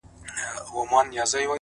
o د سترگو هره ائينه کي مي جلا ياري ده ـ